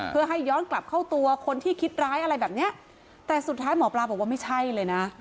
เพื่อให้ย้อนกลับเข้าตัวคนที่คิดร้ายอะไรแบบเนี้ยแต่สุดท้ายหมอปลาบอกว่าไม่ใช่เลยนะ